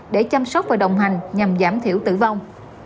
để chăm sóc và đồng hành nhằm giảm thiểu tử vong